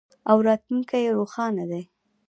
او راتلونکی یې روښانه دی.